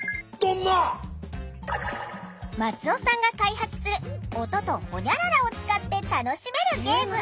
松尾さんが開発する音とほにゃららを使って楽しめるゲーム。